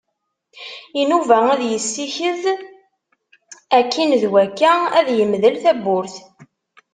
Inuba ad yessiked akkin d wakka ad yemdel tawwurt.